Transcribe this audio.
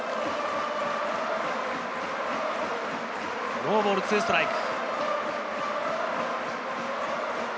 ノーボール２ストライク。